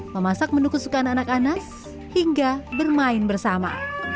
memasak menu kesukaan anak anak hingga bermain bersama